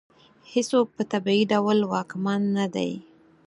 هېڅوک په طبیعي ډول واکمن نه دی.